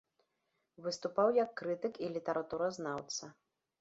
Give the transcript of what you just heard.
Выступаў як крытык і літаратуразнаўца.